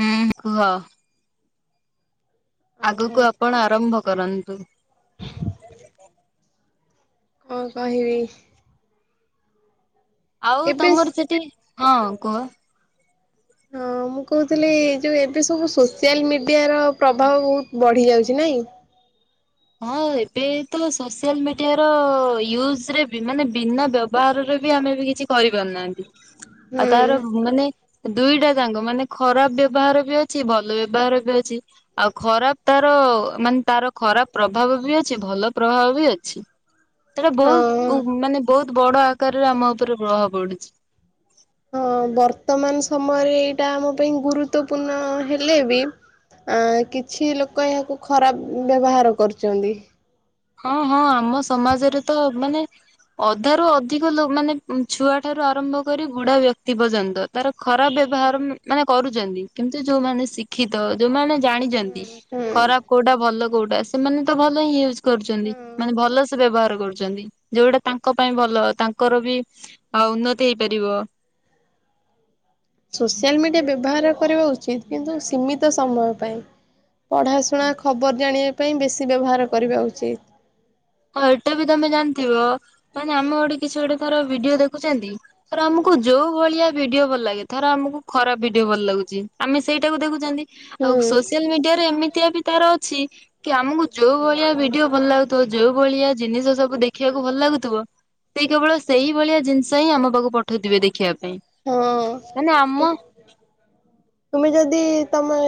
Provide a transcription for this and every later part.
ହୁଁ କୁହ? ଓହୋ ଆଗକୁ ଆପଣ ଆରମ୍ଭ କରନ୍ତୁ। କଣ କହିବି? ଆଉ ଏବେ ତମର ସେଠି ହଁ କୁହ? ହଁ ମୁଁ କହୁଥିଲି ଯଉ ଏବେ ସବୁ ସୋସିଆଲ ମିଡ଼ିଆର ପ୍ରଭାବ ବହୁତ ବଢ଼ିଯାଉଛି ନାହିଁ? ହଁ ଏବେ ତ ସୋସିଆଲ ମିଡିଆର ୟୁଜରେ ବି ମାନେ ବିନା ବ୍ୟ ବହାରରେ ବି ଆମେ ବି କିଛି କରିପାରୁନାହାନ୍ତି ଆଉ ହୁଁ ତାର ମାନେ ଦୁଇଟା ଯାଙ୍କ ମାନେ ଖରାପ ବ୍ୟବହାର ବି ଅଛି ଭଲ ବ୍ୟବହାର ବି ଅଛି। ଆଉ ଖରାପ ତାର ମାନେ ତାର ଖରାପ। ପ୍ରଭାବ ବି ଅଛି ଭଲ ପ୍ରଭାବ ବି ଅଛି ସେଟା ହଁ ବୋହୁତ ଉଁ ମାନେ ବୋହୁତ ବଡ ଆକାରରେ ଆମ ଉପରେ ପ୍ରଭାବ ପଡୁଚି। ହଁ ବର୍ତ୍ତମାନ ସମୟରେ ଏଇଟା ଆମ ପାଇଁ ଗୁରୁତ୍ୱପୂର୍ଣ୍ଣ ହେଲେ ବି ଆଁ କିଛି ଲୋକୋ ଏହାକୁ ଖରାପ ବ୍ୟବହାର କରୁଚନ୍ତି। ହଁ ହଁ ଆମ ସମାଜରେ ତ ମାନେ ଅଧାରୁୁ ଅଧିକ ଲୋ ମାନେ ଛୁଆଠାରୁ ଆରମ୍ଭ କରି ବୁଢା ବ୍ୟକ୍ତି ପର୍ଯ୍ୟନ୍ତ ତାର ଖରାପ ବ୍ୟବହାର ଉଁ ମାନେ କରୁଚନ୍ତି। କିନ୍ତୁ ଯୋଉମାନେ ଶି କ୍ଷିତ ଯୋଉମାନେ ଜାଣିଚନ୍ତି ହୁଁ ଖରାପ କୋଉଟା ଭଲ କୋଉଟା ସେମାନେ ତ ଭଲ ହିଁ ୟୁଜ୍ କରୁଚନ୍ତି ହୁଁ। ମାନେ ଭଲସେ ବ୍ୟବହାର କରୁଚନ୍ତି। ଯୋଉଟା ତାଙ୍କ ପାଇଁ ଭଲ ତାଙ୍କର ବି ଆଁ ଉନ୍ନତି ହେଇପାରିବ। ସୋସିଆଲ ମିଡ଼ିଆ ବ୍ୟବହାର କରିବା ଉଚିତ୍ କିନ୍ତୁ ସୀମିତ ସମୟ ପାଇଁ। ପଢ଼ାଶୁଣା ଖବର ଜାଣିବା ପାଇଁ ବେଶୀ ବ୍ୟବହାର କରିବା ଉଚିତ୍। ଆଉ ଏଟା ବି ତମେ ଜାଣିଥିବ ମାନେ ଆମ ଗୋଟେ କିଛି ଗୋଟେ କାହାର ଭିଡିଓ ଦେଖୁଛନ୍ତି। ତାର ଆମୁକୁ ଯୋଉ ଭଳିଆ ଭିଡିଓ ଭଲ ଲାଗେ ଧର ଆମୁକୁ ଖରାପ ଭିଡିଓ ଭଲ ଲାଗୁଚି ଆମେ ସେଇଟାକୁ ଦେଖୁଚନ୍ତି। ହୁଁ ଆଉ ସୋସିଆଲ ମିଡିଆ ରେ ଏମିତିଆ ବି ତାର ଅଛି କି ଆମୁକୁ ଯୋଉ ଭଳିଆ ଭିଡିଓ ଭଲ ଲାଗୁଥୁବ ଯୋଉ ଭଳିଆ ଜିନିଷ ସବୁ ଦେଖିବାକୁ ଭଲ ଲାଗୁଥୁବ ସେଇ କେବଳ ସେଇଭଳିଆ ଜିନିଷ ହିଁ ଆମ ପାଖକୁ ପଠେଇଥିବେ ଦେଖିବା ପାଇଁ। ହଁ। ମାନେ ଆମ [inaudible] ତୁମେ ଯଦି ତମେ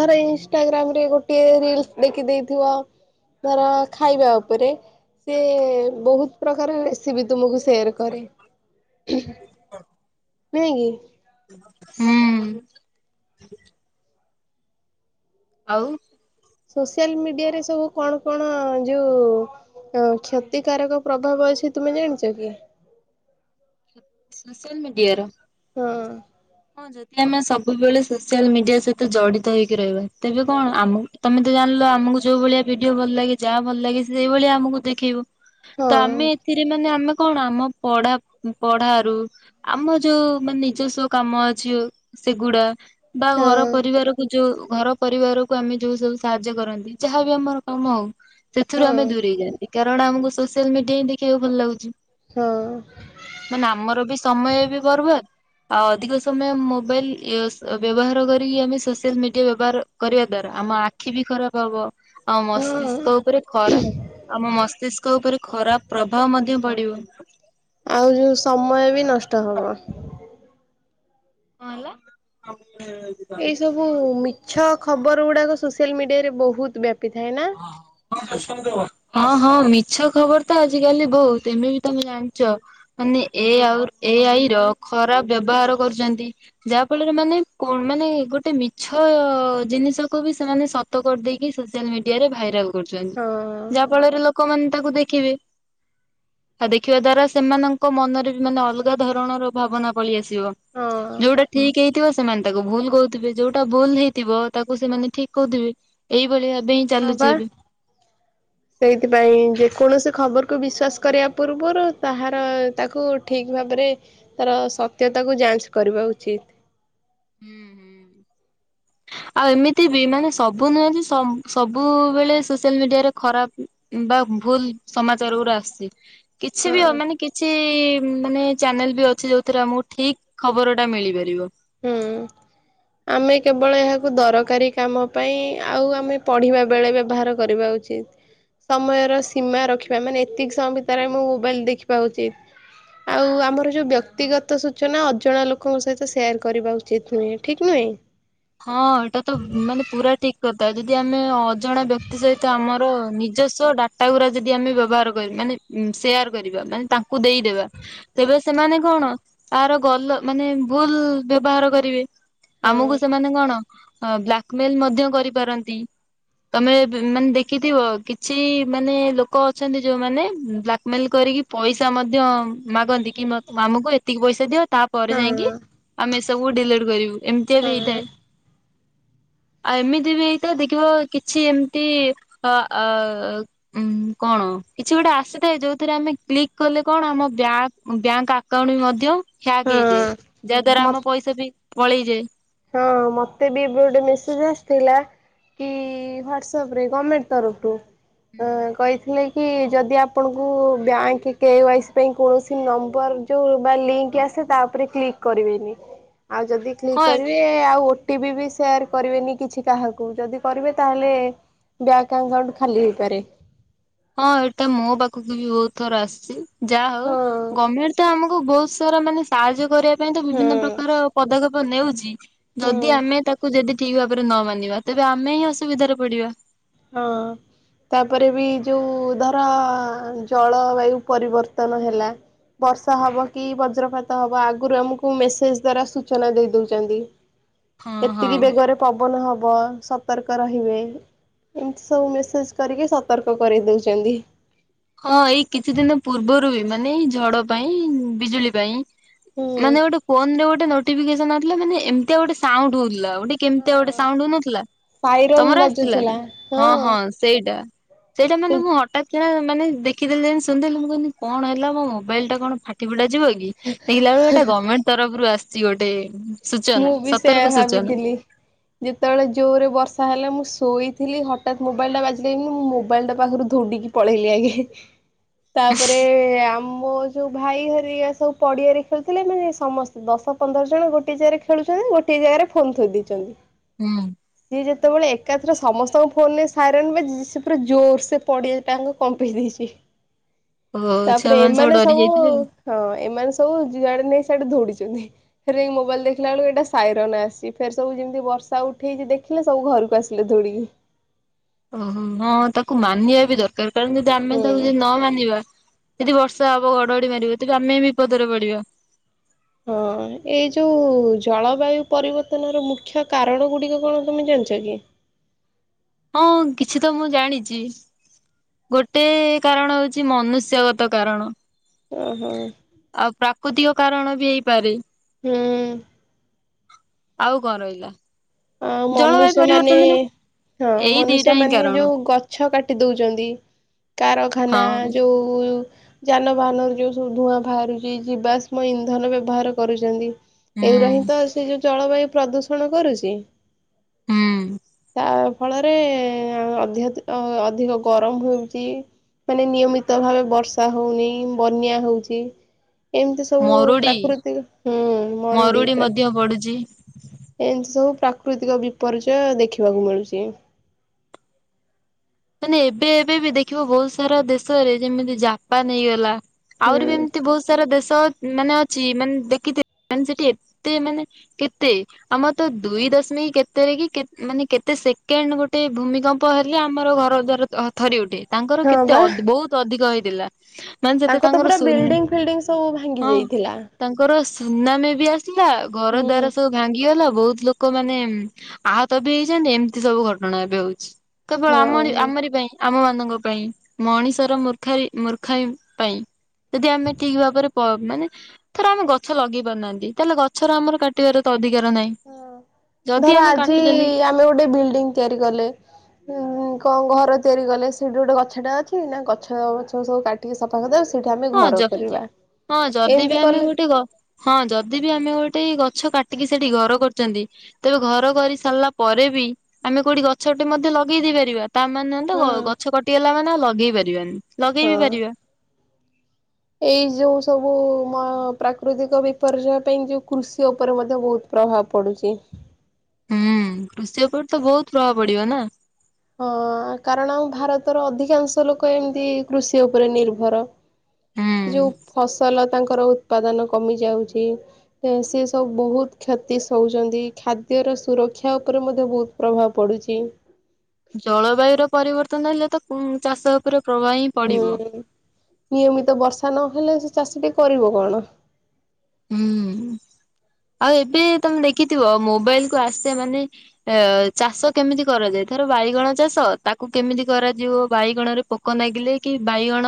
ଧର ଇନଷ୍ଟାଗ୍ରାମ୍ ରେ ଗୋଟିଏ ରିଲସ୍ ଦେଖି ଦେଇଥିବ। ଧର ଖାଇବା ଓପୋରେ ସିଏ ବୋହୁତ ପ୍ରକାର ରେସିପି ତୁମକୁ ସେୟାର କରେ। [unintelligible] ନୁହେଁ କି। ହୁଁ। ଆଉ ସୋସିଆଲ ମିଡିଆରେ ସବୁ କଣ କଣ ଯୋଉ ଅଁ କ୍ଷତିକାରକ ପ୍ରଭାବ ଅଛି ତୁମେ ଜାଣିଛ କି? ସୋସିଆଲ ମିଡିଆର ହଁ। ହଁ ଯଦି ଆମେ ସବୁବେଳେ ସୋସିଆଲ ମିଡିଆ ସହିତ ଜଡିତ ହେଇକି ରହିବା ତେବେ କଣ ଆମୁକୁ ତମେ ତ ଜାଣିଲ ଆମୁକୁ ଯୋଉ ଭଳିଆ ଭିଡିଓ ଭଲ ଲାଗେ ଯାହା ଭଲ ଲାଗେ ସେଇଭଳିଆ ଆମୁକୁ ଦେଖେଇବ। ହଁ ତ ଆମେ ଥିରେ ମାନେ ଆମେ କଣ ଆମ ପଢା ପଢାରୁ ଆମ ଯୋଉ ମାନେ ନିଜସ୍ଵ କାମ ଅଛି ଆଉ ସେଗୁଡା ବା ହଁ ଘର ପରିବାର କୁ ଯୋଉ ଘର ପରିବାର କୁ ଆମେ ଯୋଉ ସବୁ ସାହାଯ୍ୟ କରନ୍ତି ଯାହାବି ଆମର କାମ ହଉ ହଁ ସେଥୁରୁ ଆମେ ଦୂରେଇ ଯାଆନ୍ତି କାରଣ ଆମୁକୁ ସୋସିଆଲ ମିଡିଆ ହିଁ ଦେଖିଆକୁ ଭଲ ଲାଗୁଛି। ହଁ। ମାନେ ଆମର ବି ସମୟ ବି ବରବାଦ ଆଉ ଅଧିକ ସମୟ ମୋବାଇଲ ୟୁଜ ବ୍ୟବହାର କରିକି ଆମେ ସୋସିଆଲ ମିଡିଆ ବ୍ୟବହାର କରିବା ଦ୍ଵାରା ଆମ ଆ ଖି ବି ଖରାପ ହବ ଆଉ ହଁ ମସ୍ତିଷ୍କ ଉପରେ ଖରା ଆମ ମସ୍ତିଷ୍କ ଉପରେ ଖରାପ ପ୍ରଭାବ ମଧ୍ୟ ପଡିବ। ଆଉ ଯୋଉ ସମୟ ବି ନଷ୍ଟ ହବ। କଁ ହେଲା। ଏଇ ସବୁ ମିଛ ଖବର ଗୁଡାକ ସୋସିଆଲ ମିଡିଆ ରେ ବୋହୁତ ବ୍ୟାପି ଥାଏ ନା। ହଁ ହଁ କଣ [unintelligible] ହଁ ହଁ ମିଛ ଖବର ତ ଆଜିକାଲି ବୋହୁତ ଏମେ ବି ତମେ ଜାଣିଚ ମାନେ ଏ ଆଉ ଏ ଆଇ ର ଖରାପ ବ୍ୟବହାର କରୁଚନ୍ତି। ଯାହା ଫଳରେ ମାନେ କଣ ମାନେ ଗୋଟେ ମିଛ ଜିନିଷକୁ ବି ସେମାନେ ସ ତ କରି ଦେଇକି ସୋସିଆଲ ମିଡିଆରେ ଭାଇରାଲ ହଁ କରୁଛନ୍ତି ଯାହାଫଳରେ ଲୋ କମାନେ ତାକୁ ଦେଖିବେ। ଆ ଦେଖିବା ଦ୍ଵାରା ସେମାନଙ୍କ ମନରେ ବି ମାନେ ଅଲଗା ଧାରଣର ଭାବନା ପଳେଇଆସ ଜିବ ହଁ ଯୋଉଟା ଠିକ ହେଇଥିବ। ସେମାନେ ତାକୁ ଭୁଲ କହୁଥିବେ ଯୋଉଟା ଭୁଲ ହେଇଥିବ ତାକୁ ସେମାନେ ଠିକ କହୁଥିବେ ଏଇଭଳି ଭାବେ ହିଁ ହଁ ଚାଲୁଛି ପା। [inaudible] ସେଇଥିପାଇଁ ଯେକୌଣସି ଖବରକୁୁ ବିଶ୍ଵାସ କରିବା ପୂର୍ବରୁ ତାହାର ତାକୁ ଠିକ୍ ଭାବରେ ତାର ସତ୍ୟତାକୁ ଯାଞ୍ଚ କରିବା ଉଚିତ୍। ହୁଁ ହୁଁ। ଆଉ ଏମିତି ବି ମାନେ ସବୁ ନୁହଁନ୍ତି ସବୁବେଳେ ସୋସିଆଲ ମିଡିଆରେ ଖରାପ ବା ଭୁଲ ସମାଚାର ଗୁରା ଆସିଛି କିଛି ହଁ ବି ଅ ମାନେ କିଛି ମାନେ ଚ୍ୟାନେଲ ବି ଅଛି ଯୋଉଥିରେ ଆମକୁ ଠିକ ଖବର ଟା ମିଳିପାରିବ। ହୁଁ। [inaudible] ଆମେ କେବଳ ଏହାକୁ ଦରକାରୀ କାମ ପାଇଁ ଆଉ ଆମେ ପଢ଼ିବା ବେଳେ ବ୍ୟବହାର କରିବା ଉଚିତ୍। ସମୟର ସୀମା ରଖିବା ମାନେ ଏତିକି ସମୟ ଭିତରେ ମୁଁ ମୋବାଇଲ୍ ଦେଖିବା ଉଚିତ। ଆଉ ଆମର ଯୋଉ ବ୍ୟକ୍ତିଗତ ସୂଚନା ଅଜଣା ଲୋକଙ୍କ ସହିତ ସେୟାର କରିବା ଉଚିତ୍ ନୁହେଁ ଠିକ୍ ନୁହେଁ? ହଁ ଏଇଟା ତ ମାନେ ପୁରା ଠିକ କଥା ଯଦି ଆମେ ଅଜଣା ବ୍ୟକ୍ତି ସହିତ ଆମର ନିଜସ୍ୱ ଡା ଟା ଗୁରା ଯଦି ଆମେ ବ୍ୟବହାର କର ମାନେ ସେୟାର କରିବା ମାନେ ତାଙ୍କୁ ଦେଇଦେବା। ତେବେ ସେମାନେ କଣ ତାର ଗଲ ମାନେ ଭୁଲ ବ୍ୟବହାର କରିବେ। ହଁ ଆମକୁ ସେମାନେ କଣ ବ୍ଲାକ୍ମେଲ ମଧ୍ୟ କରିପାରନ୍ତି। ତମେ ମାନେ ଦେଖିଥିବ କିଛି ମାନେ ଲୋକ ଅଛନ୍ତି ଯୋଉମାନେ ବ୍ଲାକ୍ମେଲ କରିକି ପଇସା ମଧ୍ୟ ମାଗନ୍ତି କି ଆମୁକୁ ଏତିକି ପଇସା ଦିଅ। ତା ପରେ ହଁ ଯାଇକି ଆମେ ସବୁ ଡିଲେଟ କରିବୁ ଏମିତିଆ ହଁ ବି ହେଇଥାଏ। ଆଉ ଏମିତି ବି ଏଇ ତ ଦେଖିବ କିଛି ଏମିତି ଅ ଅ ଉଁ କଣ କିଛି ଗୋଟେ ଆସିଥାଏ ଯୋଉଥିରେ ଆମେ କ୍ଲିକ କଲେ କଣ ଆମ ବ୍ୟାଙ୍କ ଆ କାଉଣ୍ଟ ବି ମଧ୍ୟ ହ୍ୟାକ୍ ହେଇଯାଏ ହଁ। ଯାହା ଦ୍ଵାରା ମତ ଆମ ପଇସା ବି ପଳେଇଯାଏ। ହଁ ମତେ ବି ଏବେ ଗୋଟେ ମେସେଜ ଆସିଥିଲା। କି ହ୍ଵାଟସଆପ ରେ ଗଭର୍ଣମେଣ୍ଟ ତରଫରୁ କହିଥିଲେ କି କି ଯଦି ଆପଣଙ୍କୁ ବ୍ୟାଙ୍କ୍ କେ ୱାଇ ସି ପାଇଁ କୌଣସି ନମ୍ବର ଯଉଁ ବା ଲିଙ୍କ୍ ଆସେ ତା ଉପରେ କ୍ଲିକ୍ କରିବେନି ଆଉ ଯଦି କ୍ଲିକ୍ ହଁ କରିବେ ଆଉ ଓଟି ପି ବି ସେୟାର କରିବେନି କିଛି କାହାକୁ ଯଦି କରିବେ ତାହେଲେ ବ୍ୟାଙ୍କ ଆକାଉଣ୍ଟ ଖାଲି ହେଇପାରେ। ହଁ ଏଇଟା ମୋ ପାଖକୁ ବି ବହୁତ ଥର ଆସିଛି ଯାହା ହଉ ହଁ ଗଭର୍ଣମେଣ୍ଟ ତ ଆମକୁ ବହୁତ ସ ଥର ମାନେ ସାହାଯ୍ୟ କରିବା ପାଇଁ ତ ହୁଁ ବିଭିନ୍ନ ପ୍ରକାର ପଦକ୍ଷେପ ନେଉଛି ଯଦି ହୁଁ। ଆମେ ତାକୁ ଯଦି ଠିକ୍ ଭାବରେ ନ ମାନିବା ତେବେ ଆମେ ହିଁ ଅସୁବିଧାରେ ପଡ଼ିବା। ହଁ। ତାପରେ ବି ଯଉଁ ଧର ଜଳବାୟୁ ପରିବର୍ତ୍ତନ ହେଲା। ବର୍ଷା ହେବ କି ବଜ୍ରପାତ ହେବ ଆଗରୁ ଆମକୁ ମେସେଜ୍ ଦ୍ଵାରା ସୂଚନା ଦେଇ ଦେଉଛନ୍ତି। [inaudible] ହଁ ଏତିକି ବେଗରେ ପବନ ହବ ସତର୍କ ରହିବେ। ଏମିତି ସବୁ ମେସେଜ କରିକି ସତର୍କ କରେଇଦଉଛନ୍ତି। ହଁ ଏଇ କିଛି ଦିନ ପୂର୍ବରୁ ବି ମାନେ ଏ ଝଡ଼ ପାଇଁ ବିଜୁଳି ପାଇଁ। ହୁଁ। ମାନେ ଗୋଟେ ଫୋନରେ ଗୋଟେ ନୋଫିକେସନ ଆସିଲା ମାନେ ଏମିତିଆ ଗୋଟେ ସାଉଣ୍ଡ ହଉଥିଲା ଗୋଟେ କେମତିଆ ଗୋଟେ ହଁ ସାଉଣ୍ଡ ହଉନଥିଲା। ସାଇରନ୍ ତମର ଆସିଥିଲା ବାଜୁଥିଲା ନା ହଁ ହଁ ସେଇଟା ସେଇଟା ସେ ମାନେ ମୁଁ ହ ଟାତ୍ କିଣା ମାନେ ଦେଖିଦେଲି ଯେମତି ଶୁଣିଦେଲି ମୁଁ କହିଲି କଣ ହେଲା ମୋ ମୋବାଇଲ ଟା କଣ ଫାଟି ଫୁଟା ଯିବ କି। ଦେଖିଲା ବେଳକୁ ଏଟା ଗଭର୍ଣ୍ଣମେଣ୍ଟ ତରଫରୁ ଆସିଛି ଗୋଟେ ସୂଚନା ମୁଁ ବି ସତର୍କ ସେୟା ସୂଚନା ଭାବିଥିଲି। ଯେତେବେଳେ ଜୋରେ ବର୍ଷା ହେଲା ମୁଁ ଶୋଇଥିଲି ହଠାତ୍ ମୋବାଇଲ୍ଟା ବାଜିଲାକିନି ମୁଁ ମୋବାଇଲ୍ଟା ପାଖରୁ ଧୌଡିକି ପଳେଇଲି ଆଗେ ତାପରେ ଆମ ଯୋଉ ଭାଇ ହରିକ ସବୁ ପଡିଆରେ ଖେଳୁଥିଲେ ମାନେ ସମସ୍ତେ ଦଶ ପନ୍ଦର ଜଣ ଗୋଟେ ଜା ଖେଳୁଛନ୍ତି ଗୋଟିଏ ଜାଗାରେ ଫୋନ୍ ଥୋଇ ଦେଇଛନ୍ତି। ହୁଁ। ସିଏ ଯେତେବେଳେ ଏକାଥରେ ସମସ୍ତଙ୍କ ଫୋନରେ ସାଇରନ ବା ସେ ପୁରା ଜୋରସେ ପଡ଼ିଆ ତାଙ୍କୁ କମ୍ପେଇ ଦେଇଛି। [inaudible] ତାପରେ ଛୁଆମାନେ ସବୁ ଏମାନେ ଡରି ସବୁଉ ଯାଇଥିବେ ଆଉ। ହଁ ଏମାନେ ସବୁ ଯୁଆଡେ ନେଇ ସେଆଡେ ଦୌଡିଛନ୍ତି। ମୋବାଇଲ ଦେ ଦେଖିଲ ବେଳକୁ ଏଇଟା ସାଇରନ୍ ଆସିଛି। ଫେର ସବୁ ଯେମିତି ବର୍ଷା ଉଠେଇଛି ଦେଖିଲେ ସବୁ ଘରକୁ ଆସିଲେ ଧୌଡିକି। ଓହୋ ହଁ ତାକୁ ମାନିବା ବି ଦରକାର କାରଣ ଯଦି ଆମେ ତାକୁ ହୁଁ। ଯ ନ ମାନିବା ଯଦି ବର୍ଷା ହବ ଘଡଘଡି ମାରିବ ତେବେ ଆମେ ବିପଦରେ ପଡିବ। ହଁ ଏଇ ଯଉ ଜଳବାୟୁ ପରିବର୍ତ୍ତନର ମୁଖ୍ୟ କାରଣ ଗୁଡ଼ିକ କଣ ତୁମେ ଜାଣିଛ କି? ହଁ କିଛି ତ ମୁଁ ଜାଣିଛି। ଗୋଟେ କାରଣ ହଉଛି ମନୁଷ୍ୟଗତ କାରଣ। ଓହୋ। ଆଉ ପ୍ରାକୃତିକ କାରଣ ବି ହେଇପାରେ। ହୁଁ ଆଉ କଣ ରହିଲା। ଆ ଜଳବାୟୁ ମନୁଷ୍ୟ ମାନେ ପରିବର୍ତ୍ତନର ହଁ ଏଇ ଦିଟା ମନୁଷ୍ୟ ହିଁ ମାନେ କାରଣ ଯୋଉ ଗଛ କାଟି ଦଉଛନ୍ତି। କାରଖାନା ହଁ। ଯୋଉ ଯାନବାହାନର ଯେଉଁ ସବୁ ଧୂଆଁ ବାହାରୁଛି ଜୀିବାସ୍ମମ ଇନ୍ଧନ ବ୍ୟବହାର କରୁଛନ୍ତି। ହୁଁ ଏଗୁୁରା ହିଁ ତ ସେ ଯୋଉ ଜଳବାୟୁ ପ୍ରଦୂଷଣ କରୁଛି ହୁଁ ତା ଫଳରେ ଅଧ ଅଧିକ ଗରମ ହଉଛି ମାନେ ନିୟମିତ ଭା ବର୍ଷା ହଉନି ବନ୍ୟା ହଉଛି ଏମିତି ସବୁ ମରୁଡି ପ୍ରାକୃତିକ ହୁଁ ମରୁଡି ଏ ମଧ୍ୟ ପଡୁଛି। ଏମିତି ସବୁ ପ୍ରାକୃତିକ ବିପର୍ଯ୍ୟୟ ଦେଖିବାକୁ ମିଳୁଛି ମାନେ ଏବେ ଏବେ ବି ଦେଖିବ ବହୁତ ସାରା ଦେଶରେ ଯେମିତି ଜାପାନ ହେଇଗଲା ଆହୁରି ବି ହୁଁ ଏମିତି ବହୁତ ସାରା ଦେଶ ମାନେ ଅଛି ମାନେ ଦେଖି ମାନେ ସେଠି ଏତେ ମାନେ କେତେ ଆମର ତ ଦୁଇ ଦଶମିକ କେତେ ରେ କି ମାନେ କେତେ ସେକେଣ୍ଡ ଗୋଟେ ଭୂମିକମ୍ପ ହେଲେ ଆମର ଘର ଦବର ଥରି ଉଠେ ତାଙ୍କର ହଁ କେତେ ବା ବହୁତ ଅଧିକ ହେଇଥିଲା। ମାନେ ସେତେ ତାଙ୍କ ତ ପୁରା ତାଙ୍କର ବିଲ୍ଡିଙ୍ଗ ଫିଲ୍ଡିଙ୍ଗ ସବୁ ଭାଙ୍ଗି ହଁ ଯାଇଥିଲା। ତାଙ୍କର ସୁନାମି ବି ଆସିଲା ଘର ହୁଁ। ଦ୍ୱାର ସବ ଭାଙ୍ଗିଗଲା ବହୁତ ଲୋକ ମାନେ ଆହତ ବି ହେଇଯାନ୍ତି ଏମିତି ସବୁ ଘଟଣା ଏବେ ହଉଛି। କେବଳ ଆମ ହଁ ପାଇଁ ଆମ ମାନଙ୍କ ପାଇଁ ମଣିଷର ମୂର୍ଖ ମୂର୍ଖାଇ ପାଇଁ। ଯଦି ଆମେ ଠିକ ଭାବରେ ପ ମାନେ ଥର ଆମ ଗଛ ଲଗି ପାରୁନାହାନ୍ତି ତାହେଲେ ଗଛର ଆମର କାଟିବାର ତ ଅଧିକାର ନାହିଁ। ଯଦି ଧର ଆମେ ଆଜି କାଟୁଛନ୍ତି ଆମେ ଗୋଟେ ବିଲ୍ଡିଂ ତିଆରି କଲେ। ଉଁ କଣ ଘର ତିଆରି କଲେ ସେଠି ଗୋଟେ ଗଛ ଟା ଅଛି ନା ଗଛ ଗଛ ସବୁ କାଟି ଟିକେ ସଫା କରିଦବା ସେଇଠି ଆମେ ହଁ ଘର ଯ କରିବା ହଁ ଯଦି ବି ଏମିତି ଆମେ କଲେ ଗୋଟେ ଗ ହଁ ଯଦି ବି ଆମେ ଗୋଟେ ଗଛ କାଟିକି ସେଠି ଘର କରୁଛନ୍ତି ତେବେ ଘର କରି ସାରିଲା ପରେ ବି ଆମେ କୋଉଠି ଗଛଟେ ମଧ୍ୟ ଲଗେଇ ଦେଇ ପାରିବା। ତା ମାନେ ତ ହଁ। ଗଛ କଟିଗଲା ମାନେ ଆଉ ଲଗେଇ ପାରିବାନି ଲଗେଇ ବିି ହଁ ପାରିବା। ଏଇ ଯୋଉ ସବୁ ମ ପ୍ରାକୃତିକ ବିପର୍ଯ୍ୟୟ ପାଇଁ ଯୋଉ କୃଷି ଉପରେ ମଧ୍ୟ ବହୁତ ପ୍ରଭାବ ପଡ଼ୁଚି। ହୁଁ କୃଷି ଉପରେ ତ ବହୁତ ପ୍ରଭାବ ପଡିବ ନା? ହଁ କାରଣ ଭାରତର ଅଧିକାଂଶ ଲୋକ ଏମିତି କୃଷି ଉପରେ ନିର୍ଭର। ହୁଁ। ଯୋଉ ଫସଲ ତାଙ୍କର ଉତ୍ପାଦନ କମି ଯାଉଛି। ତେଣୁ ସିଏ ସବୁ ବହୁତ କ୍ଷତି ସଉଛନ୍ତି। ଖାଦ୍ୟର ସୁରକ୍ଷା ଉପରେ ମଧ୍ୟ, ବହୁତ ପ୍ରଭାବ ପଡ଼ୁଛି। ଜଳବାୟୁ ର ପରିବର୍ତ୍ତନ ହେଲେ ତ। ଚାଷ ଉପରେ ପ୍ରଭାବ ହିଁ ହୁଁ ପଡିବ। ନିୟମିତ ବର୍ଷା ନହେଲେ, ସେ ଚାଷିଟି କରିବ କଣ? ହୁଁ। ଆଉ ଏବେ ତମେ ଦେଖିଥିବ, ମୋବାଇଲ କୁ ଆସେ, ମାନେ ଏ ଚାଷ କେମିତି କରାଯାଏ। ଧର ବାଇଗଣ ଚାଷ ତାକୁ କେମିତି କରାଯିବ, ବାଇଗଣ ରେ ପୋ କ ଲାଗିଲେ, କି ବାଇଗଣ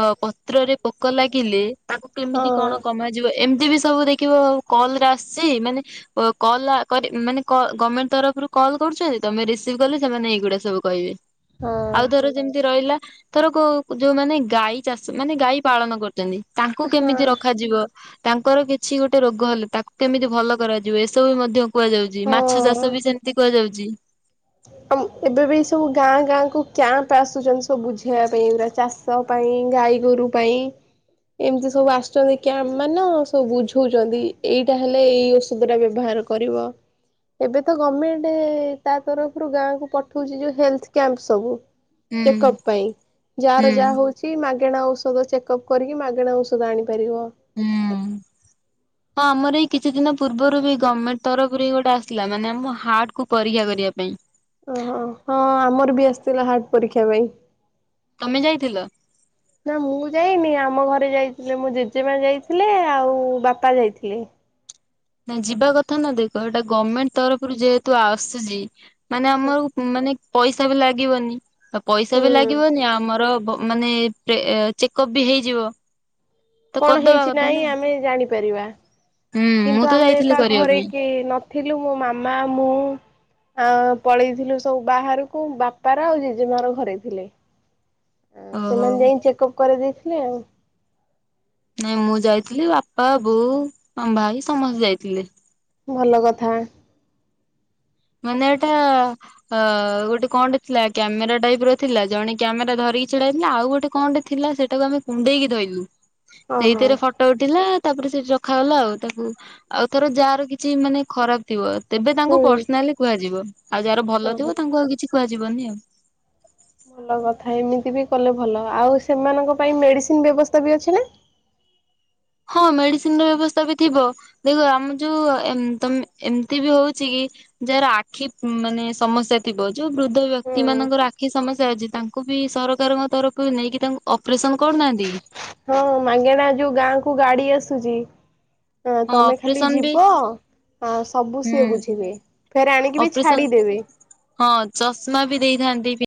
ଅ ପତ୍ରରେ ପୋକ ଲାଗିଲେ, ତାକୁ ହଁ କେମିତି କଣ କମା ଏମିତି ବି ସବୁ ଦେଖିବ, କଲରେ ଆସିଛି। ମାନେ ଓ କଲ କରି ମାନେ ଗମେଣ୍ଟ ତରଫରୁ କଲ୍ କରୁଛନ୍ତି। ତମେ ରିସିଭ କଲେ ସେମାନେ ଏଇଗୁଡା ସବୁ କହିବେ। ହଁ ଆଉ ଧର ଯେମିତି ରହିଲା ଧର କୋଉ ଯଉମାନେ ଗାଈ ଚାଷ। ମାନେ ଗାଈ ପାଳନ କରୁଛନ୍ତି। ତାଙ୍କୁ ହଁ କେମିତି ରଖାଯିବ। ତାଙ୍କର କିଛି ଗୋଟେ ରୋଗ ହେଲେ, ତାକୁ କେମିତି ଭଲ କରାଯିବ। ଏସବୁ ମଧ୍ୟ କୁହାଯାଉଛି। ମାଛ ହଁ। ଚାଷ ବି ସେମିତି କୁହାଯାଉଛି। ଆମ ଏବେ ବି ସବୁ ଗାଁ ଗାଁ କୁ କ୍ୟାମ୍ପ ଆସୁଛନ୍ତି ସବୁ ବୁଝେଇବା ପାଇଁ ଏଗୁରା ଚାଷ ପାଇଁ ଗାଈ ଗୋରୁ ପାଇଁ ଏମିତି ସବୁ ଆସୁଛନ୍ତି, କ୍ୟାମ୍ପ ମାନ। ସବୁ ବୁଝଉଛନ୍ତି। ଏଇଟା ହେଲେ, ଏଇ ଔଷଧ ଟା ବ୍ୟବହାର କରିବ। ଏବେ ତ ଗମେଣ୍ଟ ତା ତରଫରୁ, ଗାଁକୁ ପଠଉଚଚି ଯଉ ହେଲଥ କ୍ୟାମ୍ପ ସବୁ। ହୁଁ ଚେକଅପ ପାଇଁ। ହୁଁ ଯାହାର ଯାହା ହଉ ଛି ମାଗେଣା ଔଷଧ ଚେକଅପ୍ କରିକି, ମାଗେଣା ଔଷଧ ଆଣିପାରିବ। ହୁଁ। ହଁ। ଆମର ଏଇ କିଛି ଦିନ ପୂର୍ବରୁ ବି, ଗମେଣ୍ଟ ତରଫରୁ ଗୋଟେ ଆସିଲା। ମାନେ ଆମ ହାର୍ଟ କୁ ପରୀକ୍ଷା କରିବା ପାଇଁ। ଓହୋ। ହଁ, ଆମର ବି ଆସିଥିଲା। ହାର୍ଟ ପରୀକ୍ଷା ପାଇଁ। ତମେ ଯାଇଥିଲ। ନା ମୁଁ ଯାଇନି। ଆମ ଘରେ ଯାଇଥିଲେ। ମୁଁ ଜେଜେମା ଯାଇଥିଲେ। ଆଉ ବାପା ଯାଇଥିଲେ। ନାଇଁ ଯିବା କଥା ନା। ଦେଖ ଏଟା ଗମେଣ୍ଟ ତରଫରୁ ଯେହେତୁ ଆସିଛି। ମାନେ ଆମର ମାନେ, ପଇସା ବି ଲାଗିବନି। ପଇସା ବି ହୁଁ ଲାଗିବନି, ଆମର ମାନେ, ଚେକଅପ୍ ବି ହେଇଯିବ। ତ କଣ କରିଦବା ହେଇଛି କଥା ନାଇଁ, ନା ଆମେ ଜାଣିପାରିବା। ହୁଁ ମୁଁ କିନ୍ତୁ ତ ଆମେ ଯାଇଥିଲି ପା କରିବା ଘରେ ପାଇଁ କି ନ ଥିଲୁ। ମୋ ମାମା ମୁଁ। ଆ ପଳେଇଥିଲୁ ସବୁ ବାହାରକୁ। ବାପାର ଆଉ ଜେଜେମା ର ଘରେ ଥିଲେ। ଆ ଓହୋ। ସେମାନେ ଯାଇି ଚେକଅପ୍ କରଦେଇଥିଲେ ଆଉ। ନାଇଁ ମୁଁ ଯାଇଥିଲି। ବାପା ବୋଉ ଭାଇ ସମସ୍ତେ ଯାଇଥିଲେ। ଭଲ କଥା। ମାନେ ଏଟା ଅ ଗୋଟେ କଣଟେ ଥିଲା। କ୍ୟାମେରା ଟାଇପ ର ଥିଲା। ଜଣେ କ୍ୟାମେରା ଧରିକି ଛିଡାହେଇ ଥିଲା, ଆଉ ଗୋଟେ କଣଟେ ଥିଲା। ସେ ତାକୁ ଆମେ କୁଣ୍ଡେଇକି ଧୋଇଲୁ। ଓହୋ ସେଇଥିରେ ଫ ଫଟ ଉଠିଲା। ତାପରେ ସେଠି ରଖାାଗଲା। ଆଉ ତାକୁ ଆଉ ଥର ଯା ର କିଛି, ମାନେ ଖରାପ ଥିବ। ତେବେ ତାଙ୍କୁ ହୁଁ ପର୍ସନାଲି କୁହାଯିବ। ଆଉ ଯାହାର ଭଲ ଓହୋ। ଥିବ ତାଙ୍କୁ ଆଉ କିଛି କୁହାଯିବନି ଆଉ। ଭଲ କଥା। ଏମିତି ବି କଲେ ଭଲ। ଆଉ ସେମାନଙ୍କ ପାଇଁ ମେଡ଼ିସିନ ବ୍ୟବସ୍ଥା ବି ଅଛି ନା। ହଁ। ମେଡିସିନ ର ବ୍ୟବସ୍ଥା ବି ଥିବ। ଦେଖ। ଆମ ଯୋଉ, ଏମ ତମେ ଏମିତି ବି ହଉଚି ଯାହାର ଆଖି ମାନେ ସମସ୍ୟା ଥିବ। ଯୋଉ ବୃଦ୍ଧ ହୁଁ ବ୍ୟକ୍ତି ମାନଙ୍କର ଆଖି ସମସ୍ୟା ଅଛି, ତାଙ୍କ ତାଙ୍କୁ ବି ସରକାରଙ୍କ ତରଫରୁ ନେଇକି ତାଙ୍କୁ ଅପରେସନ କରୁନାହାନ୍ତି। ହଁ। ମାଗେଣା ଯୋଉ ଗାଁ କୁ ଗାଡି ଆସୁଛି। ହ ହଁ ତମେ ଖାଲି ଅପରେସନ ବି ଯିବ ଆଁ, ସବୁ ସିଏ ହୁଁ ବୁଝିବେ, ଫେର ଆଣିକି ବି ଅପରେସନ ଛାଡିଦେବେ। ହଁ, ଚଷମା ବି ଦେଇଥାନ୍ତି ପି